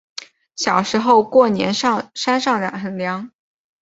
小时候过年山上很凉